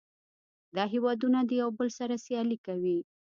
دا هیوادونه د یو بل سره سیالي کوي